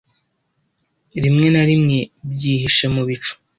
rimwe na rimwe byihishe mu bicu